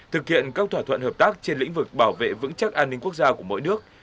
thực hiện các thỏa thuận hợp tác trên lĩnh vực bảo vệ vững chắc an ninh quốc gia của mỗi nước